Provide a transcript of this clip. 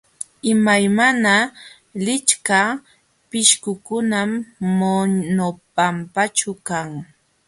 Imaymana lichka pishqukunam Monobambaćhu kan.